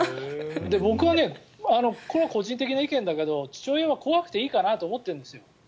僕は個人的な意見だけど父親は怖くていいかなと思ってるんですよ。